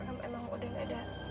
emang udah gak ada